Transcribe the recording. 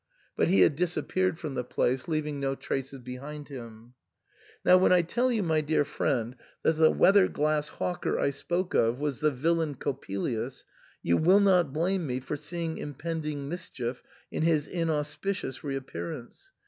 But he had disappeared from the place, leaving no traces behind him. Now when I tell you, my dear friend, that the weather glass hawker I spoke of was the villain Cop pelius, you will not blame me for seeing impending mischief in his inauspicious reappearance.